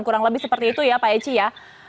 kurang lebih seperti itu ya pak eci ya